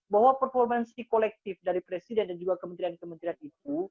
bahwa performansi kolektif dari presiden dan juga kementerian kementerian itu